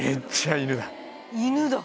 犬だ。